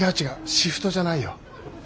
シフトじゃないよ。